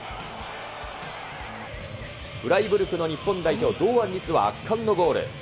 フライブルクの日本代表、堂安律は、圧巻のゴール。